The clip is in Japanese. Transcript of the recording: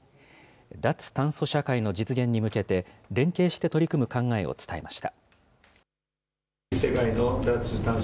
脱炭素社会の実現に向けて、連携して取り組む考えを伝えました。